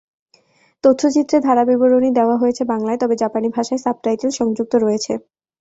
তথ্যচিত্রে ধারাবিবরণী দেওয়া হয়েছে বাংলায়, তবে জাপানি ভাষায় সাবটাইটেল সংযুক্ত রয়েছে।